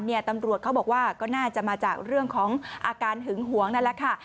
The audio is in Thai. ตำรวจเขาบอกว่าก็น่าจะมาจากเรื่องของอาการหึงหวงนั่นแหละค่ะ